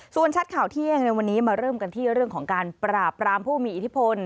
ส่วนชัดข่าวเที่ยงในวันนี้มาเริ่มกันที่เรื่องของการปราบรามผู้มีอิทธิพล